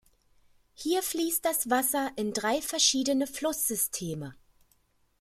Hier fließt das Wasser in drei verschiedene Flusssysteme.